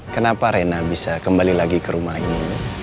kenapa rena bisa kembali lagi ke rumah ini